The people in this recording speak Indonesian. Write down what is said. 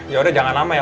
ya udah jangan lama ya